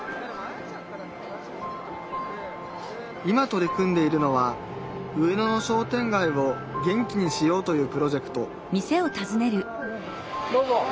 今取り組んでいるのは上野の商店街を元気にしようというプロジェクトどうぞ。